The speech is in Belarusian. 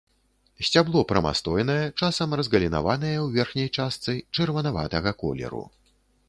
Сцябло прамастойнае, часам разгалінаванае ў верхняй частцы, чырванаватага колеру.